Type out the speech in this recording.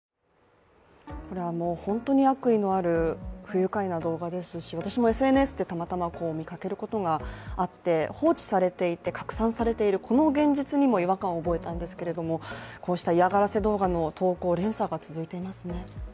本当に悪意のある不愉快な動画ですし私もＳＮＳでたまたま見かけることがあって放置されていて、拡散されている、この現実にも違和感を覚えたんですけれどもこうした嫌がらせ動画の投稿、連鎖が続いていますね。